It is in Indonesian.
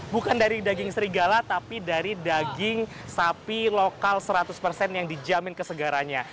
bukan dari daging serigala tapi dari daging sapi lokal seratus persen yang dijamin kesegarannya